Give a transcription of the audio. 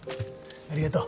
ありがとう。